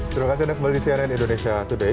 terima kasih nek melisianen indonesia today